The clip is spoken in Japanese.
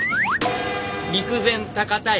「陸前高田駅」。